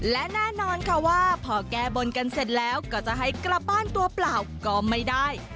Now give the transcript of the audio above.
และแน่นอนค่ะว่าพอแก้บนกันเสร็จแล้วก็จะให้กลับบ้านตัวเปล่าก็ไม่ได้